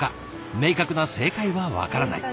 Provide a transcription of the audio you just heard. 明確な正解は分からない。